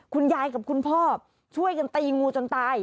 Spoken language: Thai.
คุณยายกับคุณพ่อช่วยกันตีงูจนตาย